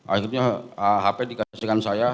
akhirnya hape dikasihkan saya